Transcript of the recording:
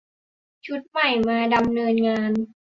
ชุดใหม่มาดำเนินงาน